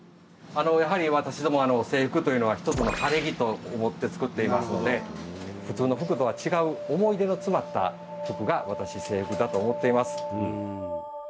やはり私ども制服というのは一つの晴れ着と思って作っていますので普通の服とは違う思い出の詰まった服が私制服だと思っています。